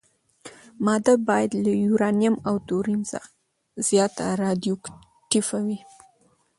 ماده باید له یورانیم او توریم زیاته راډیواکټیفه وي.